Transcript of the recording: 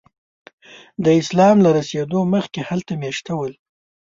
د اسلام له رسېدو مخکې هلته میشته ول.